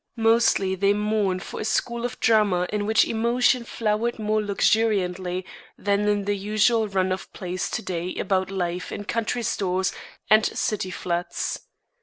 Mostly they mourn for a school of drama in which emotion flowered more luxuriantly than in the usual run of plays to day about life in country stores and city flats.